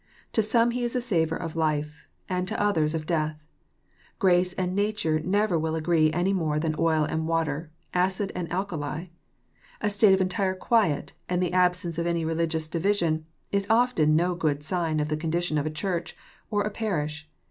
To some He Is a savour of life, and to others of death. Grace and nature never will agree any more than oil and water, acid and alkali. A state of entire quiet, and the absence of any religious divis ion, is often no good sign of the condition of a Church or a parish.